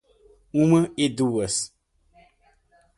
uma e duas